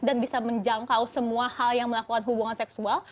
dan bisa menjangkau semua hal yang melakukan hubungan seksual